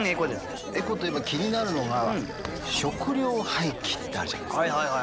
エコといえば気になるのが食料廃棄ってあるじゃないですか。